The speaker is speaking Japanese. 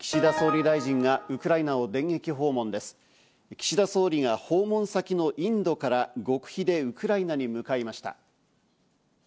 岸田総理が訪問先のインドから極秘でウクライナに向かいました。